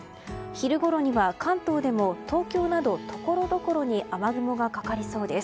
昼ごろには関東でも東京などところどころに雨雲がかかりそうです。